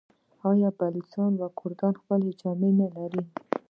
آیا بلوڅان او کردان خپلې جامې نلري؟